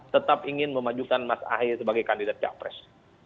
tetap ingin memajukan mas ahy sebagai kandidat capres